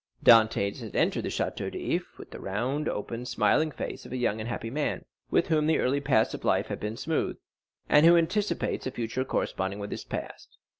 Dantès had entered the Château d'If with the round, open, smiling face of a young and happy man, with whom the early paths of life have been smooth, and who anticipates a future corresponding with his past.